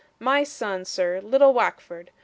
My son, sir, little Wackford.